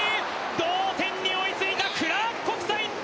同点に追いついたクラーク国際。